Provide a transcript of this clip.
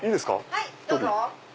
はいどうぞ。